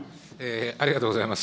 ありがとうございます。